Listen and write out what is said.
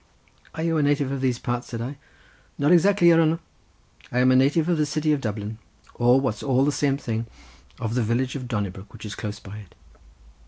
"Are you a native of these parts?" said I. "Not exactly, your hanner—I am a native of the city of Dublin, or, what's all the same thing, of the village of Donnybrook which is close by it."